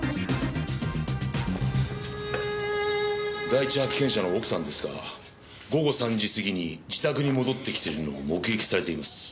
第一発見者の奥さんですが午後３時過ぎに自宅に戻ってきているのを目撃されています。